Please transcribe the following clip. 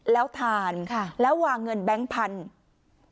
แล้วทานแล้ววางเงินแบงค์พันธุ์